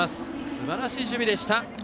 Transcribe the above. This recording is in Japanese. すばらしい守備でした。